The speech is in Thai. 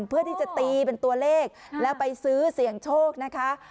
เพื่อที่จะตีเป็นตัวเลขแล้วไปซื้อเสี่ยงโชคนะคะ